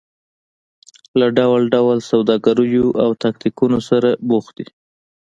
له ډول ډول سوداګریو او تاکتیکونو سره بوخت دي.